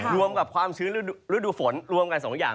รวมกับความชื้นฤดูฝนรวมกันสองอย่าง